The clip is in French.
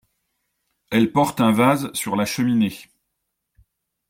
Elle porte un vase sur la cheminée.